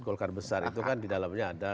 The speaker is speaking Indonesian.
golkar besar itu kan di dalamnya ada